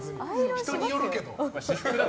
人によるけど。